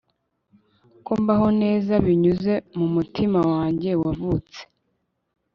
ko mbaho neza binyuze mumutima wanjye wavutse